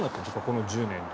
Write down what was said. この１０年で。